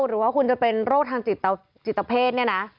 หรือว่าคุณจะเป็นโรคทางจิตเพศเนี่ยนะ